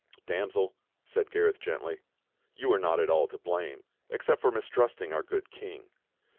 "Damsel," said Gareth gently, "you are not all to blame, except for mistrusting our good King.